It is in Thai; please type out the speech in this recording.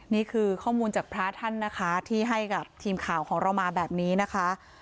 นี่คือข้อมูลจากพระท่านนะคะที่ให้กับทีมข่าวของเรามาแบบนี้นะคะ